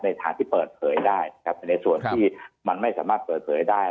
ในทางที่เปิดเผยได้ในส่วนที่มันไม่สามารถเปิดเผยได้